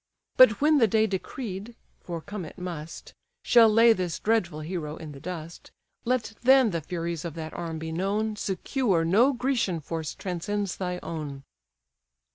But when the day decreed (for come it must) Shall lay this dreadful hero in the dust, Let then the furies of that arm be known, Secure no Grecian force transcends thy own."